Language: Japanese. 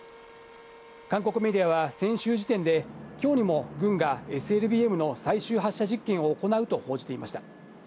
韓国メディアは先週時点できょうにも軍がＳＬＢＭの最終の発射実験を行うと報じていました。